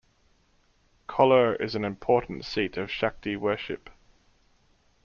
Kollur is an important seat of Shakti worship.